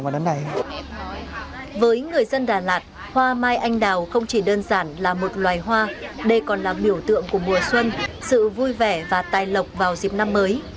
với người dân đà lạt hoa mai anh đào không chỉ đơn giản là một loài hoa đây còn là biểu tượng của mùa xuân sự vui vẻ và tài lộc vào dịp năm mới